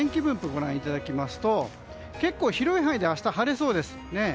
ご覧いただきますと結構、広い範囲で明日は晴れそうです。